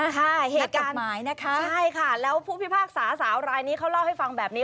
เหตุการณ์หมายนะคะใช่ค่ะแล้วผู้พิพากษาสาวรายนี้เขาเล่าให้ฟังแบบนี้